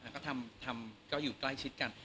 ก็ทำก็อยู่ใกล้ชิดกัน